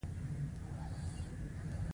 اکبر جان په رمازه کې پوهوه چې پسه حلال شوی.